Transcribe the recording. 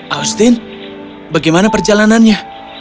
austin bagaimana perjalanannya